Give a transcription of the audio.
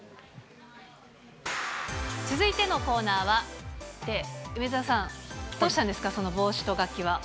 続いてのコーナーは、って、梅澤さん、どうしたんですか、その帽子と楽器は。